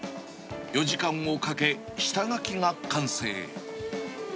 ４時間をかけ、下描きが完成。